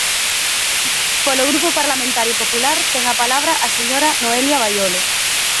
Polo Grupo Parlamentario Popular, ten a palabra a señora Noelia Baiolo.